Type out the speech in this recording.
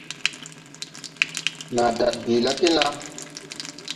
Nàa ndaɗ bìi la genla?